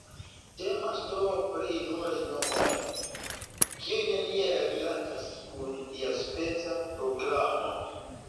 Temas do pri nuraj nomoj, kiuj neniel rilatas kun iaspeca programo.